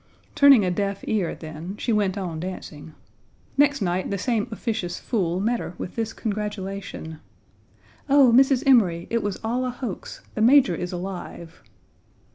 Turning a deaf ear then, she went on dancing. Next night the same officious fool met her with this congratulation: "Oh, Mrs. Emory, it was all a hoax! The Major is alive."